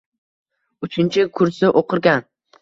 Uchinchi kursda o`qirkan